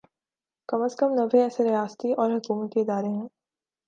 کم از کم نوے ایسے ریاستی و حکومتی ادارے ہیں